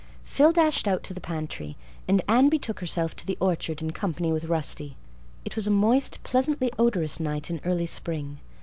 Phil dashed out to the pantry and Anne betook herself to the orchard in company with Rusty. It was a moist, pleasantly odorous night in early spring.